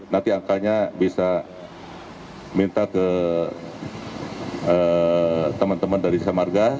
nanti angkanya bisa minta ke teman teman dari samarga